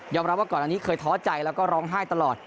รับว่าก่อนอันนี้เคยท้อใจแล้วก็ร้องไห้ตลอด